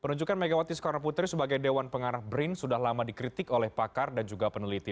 penunjukan megawati soekarno putri sebagai dewan pengarah brin sudah lama dikritik oleh pakar dan juga peneliti